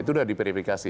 itu sudah diperifikasi